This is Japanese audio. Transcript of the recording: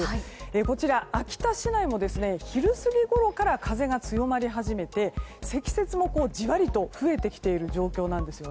こちら、秋田市内も昼過ぎごろから風が強まり始めて積雪もジワリと増えてきている状況です。